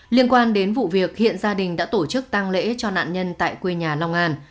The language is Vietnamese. liên quan đến vụ việc hiện gia đình đã tổ chức tăng lễ cho nạn nhân tại quê nhà long an